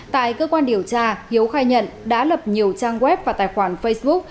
tại cơ quan điều tra hiếu khai nhận đã lập nhiều trang web và tài khoản facebook